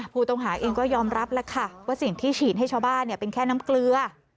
ผู้ต้องหาเองก็ยอมรับแล้วค่ะว่าสิ่งที่ฉีดให้ชาวบ้านเป็นแค่น้ำเกลือ